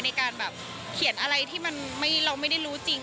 ในการแบบเขียนอะไรที่มันเราไม่ได้รู้จริง